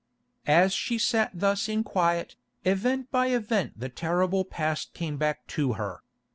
As she sat thus in quiet, event by event the terrible past came back to her.